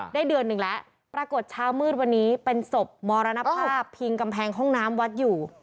เดือนหนึ่งแล้วปรากฏเช้ามืดวันนี้เป็นศพมรณภาพพิงกำแพงห้องน้ำวัดอยู่